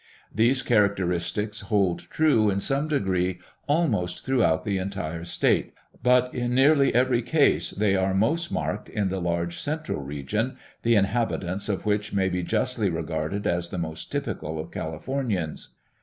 These characteristics hold true in some degree almost throughout the entire state, but in nearly every case they VOL. 2.1 Kroeber. Types of Indian Culture in California. 103 are most marked in the large central region, the inhabitants of which maybe justly regarded as the most typical of Californians.